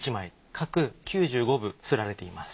各９５部刷られています。